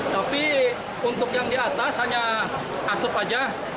tapi untuk yang di atas hanya asup aja